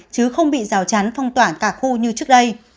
chứ không bị rào chắn phong tỏa cả khu như trước đây